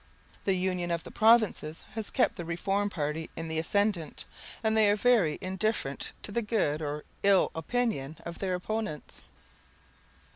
The union of the provinces has kept the reform party in the ascendant, and they are very indifferent to the good or ill opinion of their opponents.